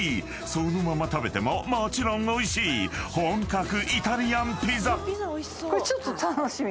［そのまま食べてももちろんおいしい本格イタリアンピザ］